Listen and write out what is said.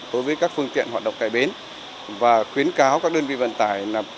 đối với các phương tiện hoạt động cải bến và khuyến cáo các đơn vị vận tải